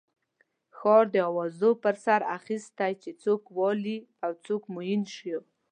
ښار د اوازو پر سر اخستی چې څوک والي او څوک معین شو.